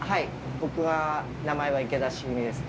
僕は名前は池田重美です。